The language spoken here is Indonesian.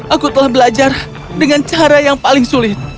aku telah belajar dengan cara yang paling sulit